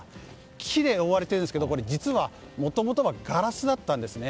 木で覆われているんですが実は、もともとはガラスだったんですね。